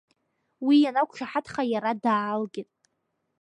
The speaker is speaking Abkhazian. Уи ианақәшаҳаҭха, иара даалгеит.